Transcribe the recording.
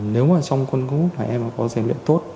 nếu mà trong quân ngũ và em có rèn luyện tốt